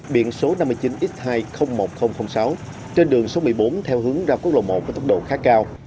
biển số năm mươi chín x hai trăm linh một nghìn sáu trên đường số một mươi bốn theo hướng ra quốc lộ một với tốc độ khá cao